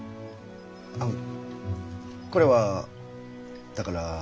あのこれはだから。